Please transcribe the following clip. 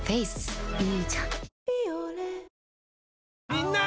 みんな！